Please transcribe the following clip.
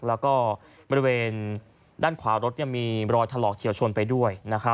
แล้วก็บริเวณด้านขวารถมีรอยถลอกเฉียวชนไปด้วย